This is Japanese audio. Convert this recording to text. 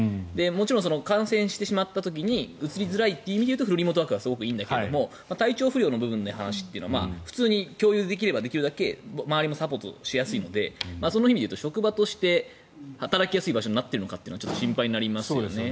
もちろん感染してしまった時にうつりづらいという意味ではフルリモートワークはすごくいいんだけど体調不良の話って普通に共有できればできるだけ周りもサポートしやすいのでその意味では職場として働きやすい場所になっているかは心配になりますよね。